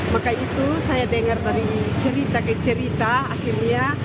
maka itu saya dengar dari cerita ke cerita akhirnya